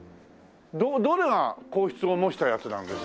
どれが皇室を模したやつなんですか？